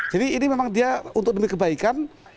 jadi ini memang dia untuk demi kebaikan